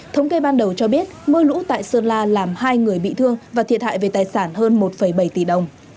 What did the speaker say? thống kê ban đầu cho biết mưa lũ tại sơn la làm hai người bị thương và thiệt hại về tài sản hơn một bảy tỷ đồng